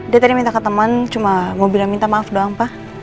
dia tadi minta ketemuan cuma mau bilang minta maaf doang pa